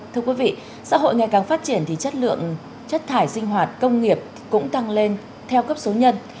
thưa quý vị xã hội ngày càng phát triển thì chất lượng chất thải sinh hoạt công nghiệp cũng tăng lên theo cấp số nhân